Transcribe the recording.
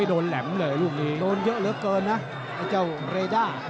แหลมเลยลูกนี้โดนเยอะเหลือเกินนะไอ้เจ้าเรด้า